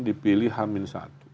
dipilih hamin satu